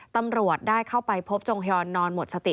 ตำรวจได้เข้าไปพบจงฮยอนนอนหมดสติ